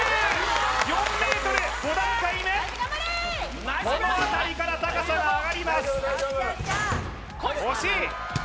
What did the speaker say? ４ｍ５段階目このあたりから高さが上がります惜しい！